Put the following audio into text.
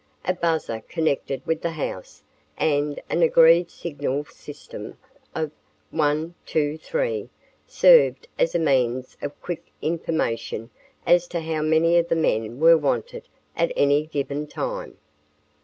A buzzer connected with the house and an agreed signal system of "1," "2," "3" served as a means of quick information as to how many of the men were wanted at any given time.